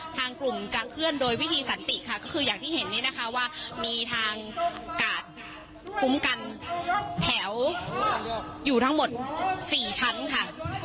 ทางกลุ่มจะเคลื่อนโดยวิธีสันติค่ะก็คืออย่างที่เห็นนี้นะคะว่ามีทางกาดคุ้มกันแถวอยู่ทั้งหมด๔ชั้นค่ะ